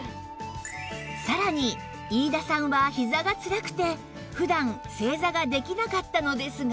さらに飯田さんはひざがつらくて普段正座ができなかったのですが